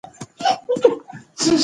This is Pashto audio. څراغونه باید روښانه وي.